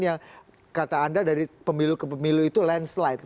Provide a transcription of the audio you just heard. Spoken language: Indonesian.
yang kata anda dari pemilu ke pemilu itu landslide